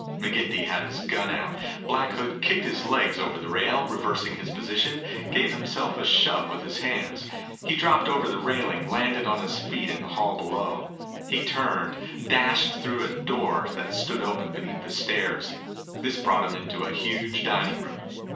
McGinty had his gun out. Black Hood kicked his legs over the rail, reversing his position, gave himself a shove with his hands. He dropped over the railing, landed on his feet in the hall below. He turned, dashed through a door that stood open beneath the stairs. This brought him into a huge dining room.